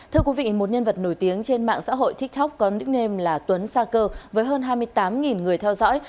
thưa quý vị một nhân vật nổi tiếng trên mạng xã hội tiktok có nickname là tuấn sacker với hơn hai mươi tám người theo dõi